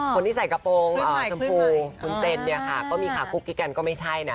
คนที่ใส่กระโปรงชมพูคุณเซนเนี่ยค่ะก็มีขากุ๊กกิ๊กกันก็ไม่ใช่นะ